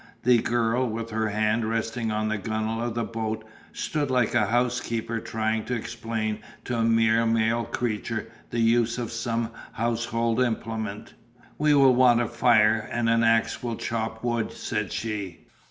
The girl, with her hand resting on the gunnel of the boat, stood like a housekeeper trying to explain to a mere male creature the use of some household implement. "We will want a fire and an axe will chop wood," said she.